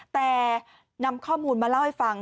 แต่นำข้อมูลมาเล่าให้ฟัง